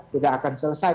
tidak akan selesai